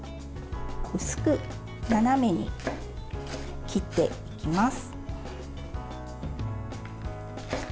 薄く斜めに切っていきます。